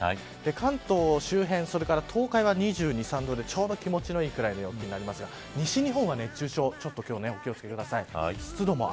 関東周辺それから東海は２２、２３度でちょうど気持ち良いぐらいの陽気になりますが西日本は、ちょっと今日は熱中症にお気を付けください。